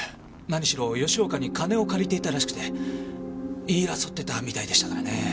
何しろ吉岡に金を借りていたらしくて言い争ってたみたいでしたからね。